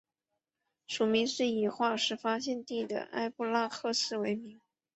属名是以化石发现地的埃布拉赫市为名。